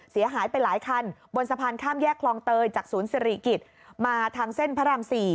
เสียหายไปหลายคันบนสะพานข้ามแยกคลองเตยจากศูนย์สิริกิจมาทางเส้นพระราม๔